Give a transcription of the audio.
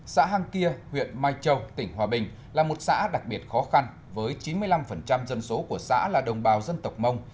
xã hàng kia huyện mai châu tỉnh hòa bình là một xã đặc biệt khó khăn với chín mươi năm dân số của xã là đồng bào dân tộc mông